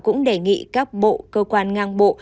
cũng đề nghị các bộ cơ quan ngang bộ